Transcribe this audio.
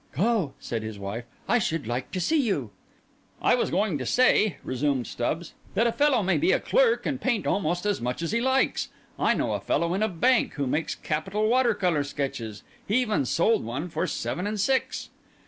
"Go!" said his wife. "I should like to see you!" "I was going to say," resumed Stubbs, "that a fellow may be a clerk and paint almost as much as he likes. I know a fellow in a bank who makes capital water colour sketches; he even sold one for seven and six."